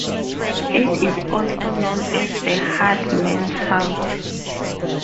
It is also known as The Hardmans' House.